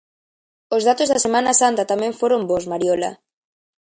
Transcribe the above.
Os datos da Semana Santa tamén foron bos Mariola...